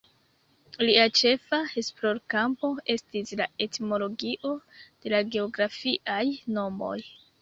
Lia ĉefa esplorkampo estis la etimologio de la geografiaj nomoj.